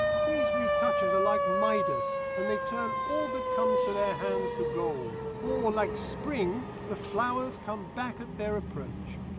These retouchers are like Midas, and they turn all that comes to their hands to gold; or, like Spring, the flowers come back at their approach.